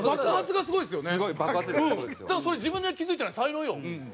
だからそれ自分で気付いてない才能ようん。